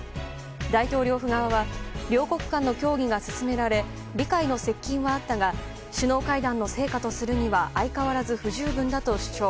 大統領府側は両国間の協議が進められ理解の接近はあったが首脳会談の成果とするには相変わらず不十分だと主張。